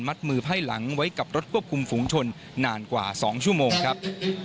มือไพ่หลังไว้กับรถควบคุมฝุงชนนานกว่า๒ชั่วโมงครับ